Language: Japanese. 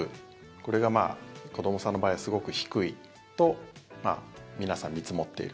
これが子どもさんの場合はすごく低いと皆さん見積もっている。